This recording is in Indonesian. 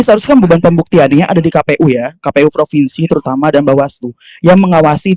seharusnya beban pembuktiannya ada di kpu ya kpu provinsi terutama dan bawaslu yang mengawasi